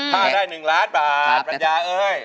ถ้าได้๑ล้านบาทปัญญาเอ้ย